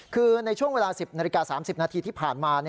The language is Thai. คือในช่วงเวลา๑๐นาฬิกา๓๐นาทีที่ผ่านมา